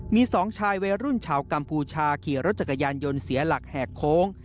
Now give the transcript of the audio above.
มี๒ชายวัยรุ่นชาวกัมพูชาขี่รถจักรยานยนต์เสียหลักแหกโค้ง